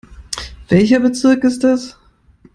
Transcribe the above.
Welcher Bezirk ist das?